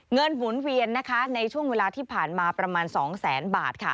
เงินหมุนเวียนนะคะในช่วงเวลาที่ผ่านมาประมาณ๒แสนบาทค่ะ